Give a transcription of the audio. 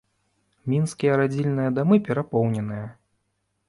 Мінскія радзільныя дамы перапоўненыя.